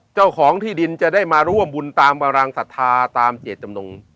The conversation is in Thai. เจ้าของที่ดินจะได้มาร่วมบุญตามพลังศรัทธาตามเจตจำนง